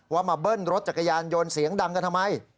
ว่ามาเบิ้ลรถจักรยานยนต์เสียงดังกันทำไม